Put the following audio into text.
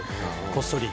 こっそり。